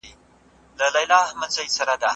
د نورو خلکو له رفتار څخه زده کړه وکړئ.